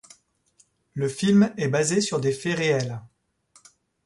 Le film est basé sur des faits réels.